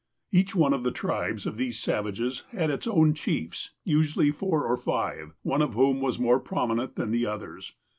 Each one of the tribes of these savages had its own chiefs, usually four or five, one of whom was more promi nent than the others.